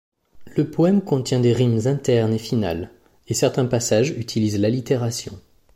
Le poème contient des rimes internes et finales, et certains passages utilisent l'allitération.